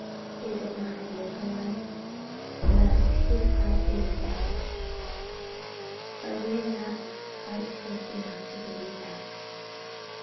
Is it not a beautiful one? Thus 'his heart is established.' But we have not quite faith enough to believe that.